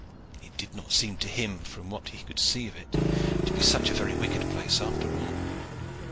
It did not seem to him from what he could see of it to be such a very wicked place after all.